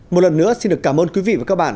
một lần nữa xin được cảm ơn quý vị và các bạn